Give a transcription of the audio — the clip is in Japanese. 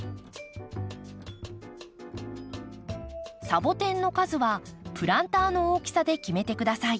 サボテンの数はプランターの大きさで決めて下さい。